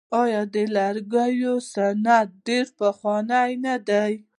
آیا د لرګیو صنعت ډیر پخوانی نه دی؟